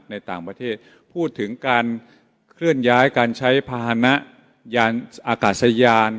ในต่างประเทศพูดถึงการเคลื่อนใช้พลานะยานอากาศยาน